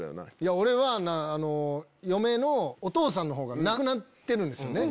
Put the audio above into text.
俺は嫁のお父さんのほうが亡くなってるんですよね。